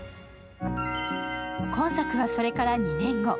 今作はそれから２年後。